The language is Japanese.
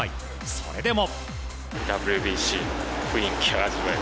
それでも。